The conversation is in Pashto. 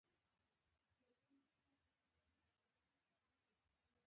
د پانګوالي پړاوونه له ساده پانګوالي همکارۍ څخه عبارت دي